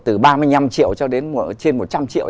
từ ba mươi năm triệu cho đến trên một trăm linh triệu